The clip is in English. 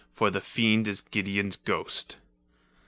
For the fiend is Gideon's ghost."